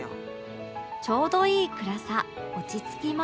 ちょうどいい暗さ落ち着きます